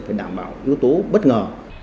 phải đảm bảo yếu tố bất ngờ